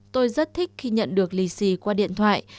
tôi rất thích khi nhận được lì xì qua điện thoại